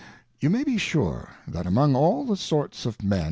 You may be sure, that among all the sorts of Men.